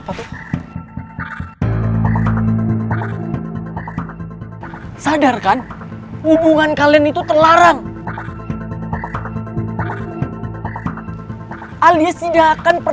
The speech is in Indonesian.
ini sudah ada yang terang terangan ye